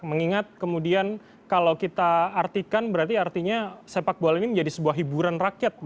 mengingat kemudian kalau kita artikan berarti artinya sepak bola ini menjadi sebuah hiburan rakyat